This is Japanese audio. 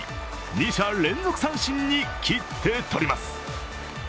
二者連続三振に切ってとります。